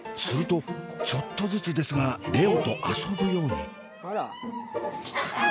するとちょっとずつですが蓮音と遊ぶように。